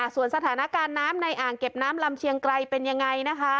ส่วนสถานการณ์น้ำในอ่างเก็บน้ำลำเชียงไกรเป็นยังไงนะคะ